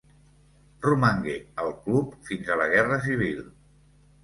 Romangué al club fins a la Guerra Civil.